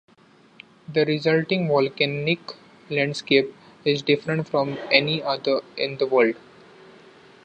The resulting volcanic landscape is different from any other in the world.